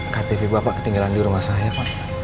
ktp bapak ketinggalan di rumah saya pak